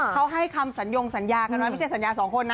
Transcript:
เขาให้คำสัญญงสัญญากันไว้ไม่ใช่สัญญาสองคนนะ